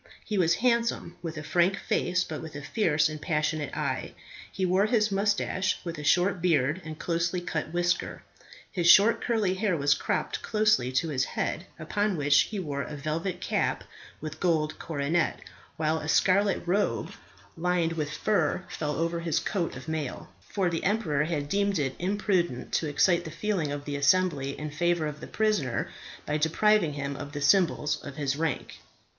He was handsome, with a frank face, but with a fierce and passionate eye. He wore his moustache with a short beard and closely cut whisker. His short curly hair was cropped closely to his head, upon which he wore a velvet cap with gold coronet, while a scarlet robe lined with fur fell over his coat of mail, for the emperor had deemed it imprudent to excite the feeling of the assembly in favour of the prisoner by depriving him of the symbols of his rank.